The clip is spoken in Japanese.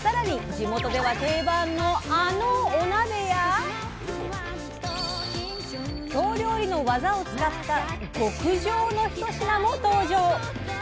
地元では定番のあのお鍋や京料理のワザを使った極上の一品も登場！